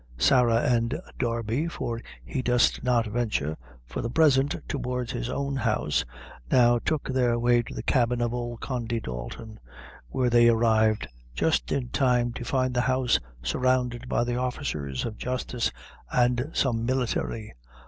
Sarah and Darby for he durst not venture, for the present, towards his own house now took their way to the cabin of old Condy Dalton, where they arrived just in time to find the house surrounded by the officers of justice, and some military.